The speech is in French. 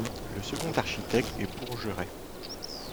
Le second architecte est Bourgeret.